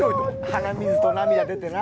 鼻水と涙出てな。